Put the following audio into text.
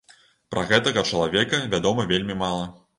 Пра гэтага чалавека вядома вельмі мала.